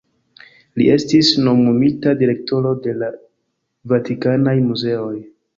Li estis nomumita direktoro de la Vatikanaj muzeoj.